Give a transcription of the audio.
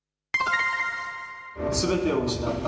すべてを失った。